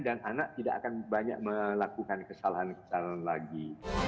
dan anak tidak akan banyak melakukan kesalahan kesalahan lagi